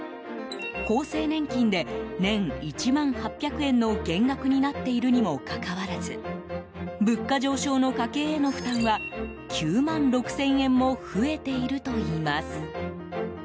厚生年金で年１万８００円の減額になっているにもかかわらず物価上昇の家計への負担は９万６０００円も増えているといいます。